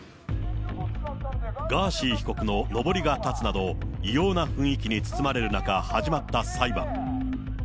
ガーシー被告ののぼりが立つなど、異様な雰囲気に包まれる中、始まった裁判。